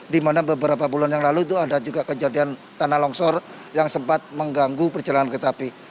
dimana beberapa bulan yang lalu itu ada juga kejadian tanah longsor yang sempat mengganggu perjalanan ke tapi